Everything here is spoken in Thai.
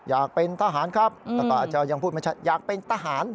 อยากเป็นทหารครับตาตาเจ้ายังพูดมาชัดอยากเป็นทหาร